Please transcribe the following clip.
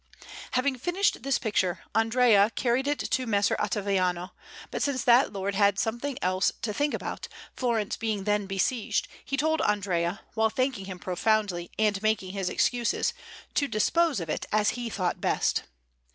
Having finished this picture, Andrea carried it to Messer Ottaviano; but since that lord had something else to think about, Florence being then besieged, he told Andrea, while thanking him profoundly and making his excuses, to dispose of it as he thought best.